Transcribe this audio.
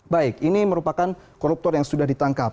baik ini merupakan koruptor yang sudah ditangkap